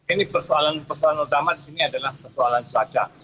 ini persoalan persoalan utama di sini adalah persoalan cuaca